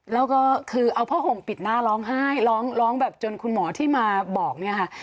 แล้วก็คือเอาพ่อห่วงปิดหน้าร้องไห้ร้องแบบจนคุณหมอที่มาบอก